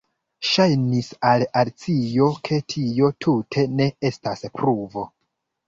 Ŝajnis al Alicio ke tio tute ne estas pruvo.